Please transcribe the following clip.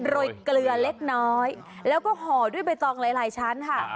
ยเกลือเล็กน้อยแล้วก็ห่อด้วยใบตองหลายชั้นค่ะ